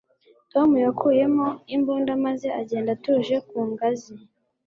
Tom yakuyemo imbunda maze agenda atuje ku ngazi